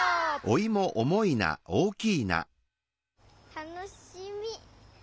たのしみ！